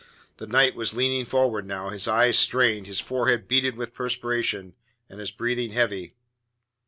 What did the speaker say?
The knight was leaning forward now, his eyes strained, his forehead beaded with perspiration, and his breathing heavy.